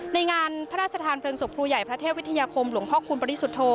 ในงานพระราชทานเพลิงศพครูใหญ่พระเทพวิทยาคมหลวงพ่อคุณปริสุทธโธ